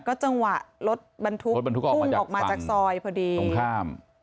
ก็จังหวะรถบรรทุกรถบรรทุกออกมาจากฝั่งออกมาจากซอยพอดีตรงข้าม